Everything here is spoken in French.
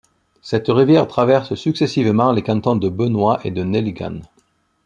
Cette rivière traverse successivement les cantons de Benoit et de Nelligan.